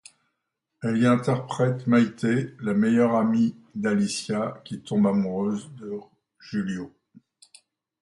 Elle y interprète Maite, la meilleure amie d'Alicia qui tombe amoureuse de Julio.